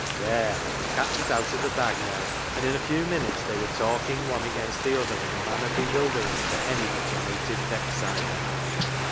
There ; the cat was out of the bag now, and in a few minutes they were talking one against the other in a manner bewildering to any but a native Becksider.